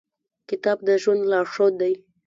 کتاب د ژوند لارښود دی.